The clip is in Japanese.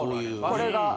これが。